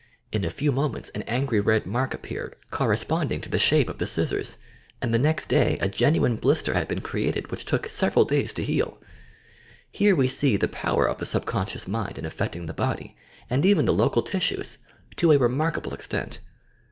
In a few moments an angry red mark appeared, corresponding to the shape of the scissors, and the nest day a genuine blister had been created which took several days to heal 1 Here we see the power of the subconscious mind in affecting the body, and even the local tissues to a re markable extent.